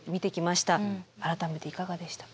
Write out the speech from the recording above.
改めていかがでしたか？